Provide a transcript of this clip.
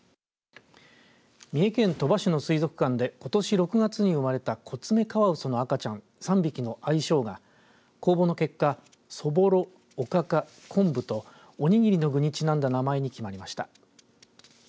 三重県鳥羽市の水族館でことし６月に生まれたコツメカワウソの赤ちゃん３匹の愛称が公募の結果そぼろ、おかか、こんぶとおにぎりの具にちなんだ名前に決まりました。